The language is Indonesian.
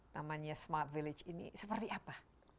namanya smart village ini seperti apa